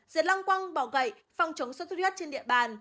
diệt lăng quăng bỏ gậy phòng chống suất huyết trên địa bàn